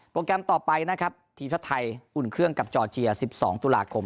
แกรมต่อไปนะครับทีมชาติไทยอุ่นเครื่องกับจอร์เจีย๑๒ตุลาคม